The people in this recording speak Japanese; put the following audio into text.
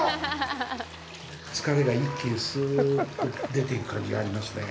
疲れが一気にすうっと出ていく感じがありますね。